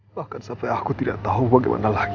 bahkan sampai aku tidak tahu bagaimana lagi